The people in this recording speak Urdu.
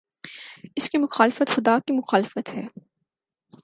اس کی مخالفت خدا کی مخالفت ہے۔